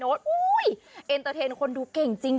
บอกเลยว่าเอ็นเตอร์เทนก็คือน้องดูเก่งจริง